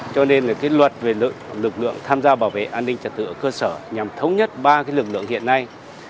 cho nên luật về lực lượng tham gia bảo vệ an ninh trật tự ở cơ sở nhằm thống nhất ba lực lượng hiện nay